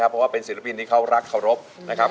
เพราะว่าเป็นศิลปินที่เขารักเคารพนะครับ